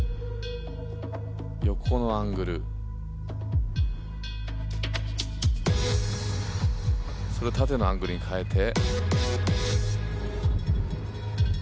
横のアングルそれを縦のアングルに変えて。